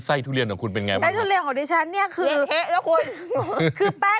ไซส์ลำไย